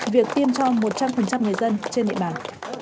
việc tiêm cho một trăm linh người dân trên địa bàn